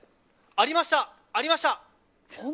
ありました、ありました！